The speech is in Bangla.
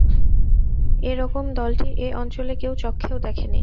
এ রকম দলটি এ অঞ্চলে কেউ চক্ষেও দেখেনি।